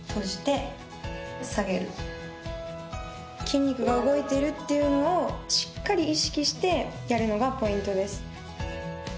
筋肉が動いているっていうのをしっかり意識してやるのがポイントです。